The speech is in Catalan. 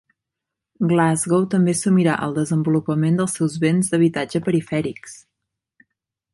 Glasgow també assumirà el desenvolupament dels seus béns d'habitatge perifèrics.